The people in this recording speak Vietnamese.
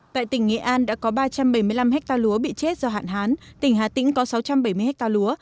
tại tỉnh nghệ an đã có ba trăm bảy mươi năm hectare lúa bị chết do hạn hán tỉnh hà tĩnh có sáu trăm bảy mươi ha lúa